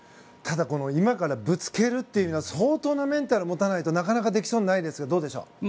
ただ、今からぶつけるというのは相当なメンタルを持たないとできそうにないですがどうでしょう。